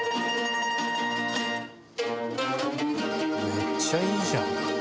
めっちゃいいじゃん。